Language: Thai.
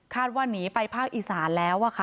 คาดว่านีไปภาคอีสานแล้วอะค่ะค่ะครับ